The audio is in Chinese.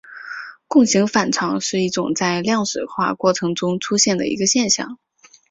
共形反常是一种在量子化过程中出现的一个现象。